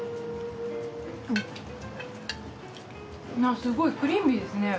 すごいクリーミーですね。